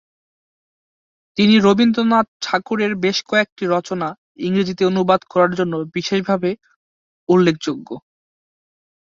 তিনি রবীন্দ্রনাথ ঠাকুরের বেশ কয়েকটি রচনা ইংরেজিতে অনুবাদ করার জন্য বিশেষভাবে উল্লেখযোগ্য।